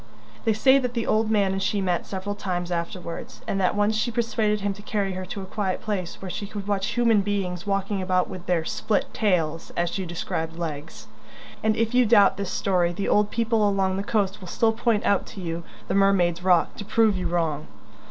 They say that the old man and she met several times afterwards, and that once she persuaded him to carry her to a quiet place where she could watch human beings walking about with their "split tails," as she described legs. And if you doubt this story, the old people along the coast will still point out to you the "Mermaid's Rock" to prove you wrong.